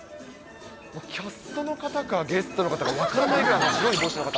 キャストの方かゲストの方か分からないぐらい、白い帽子の方。